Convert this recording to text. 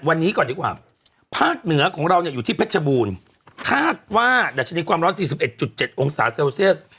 วันนี้ก่อนดีกว่าภาคเหนือของเราเนี้ยอยู่ที่เพชรบูนคาดว่าดัชนีความร้อนสี่สิบเอ็ดจุดเจ็ดองศาเซลเซียส